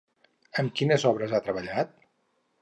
Amb quines obres ha treballat?